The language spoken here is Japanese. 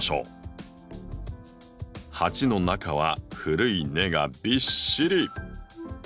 鉢の中は古い根がびっしり！